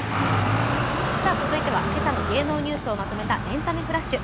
続いては今朝の芸能ニュースをまとめた「エンタメフラッシュ」。